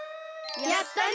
やったね！